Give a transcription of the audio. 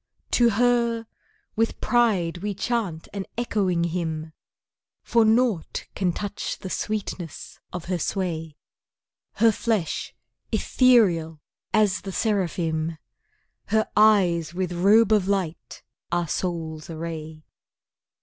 To her, with pride we chant an echoing Hymn, For nought can touch the sweetness of her sway; Her flesh ethereal as the seraphim, Her eyes with robe of light our souls array.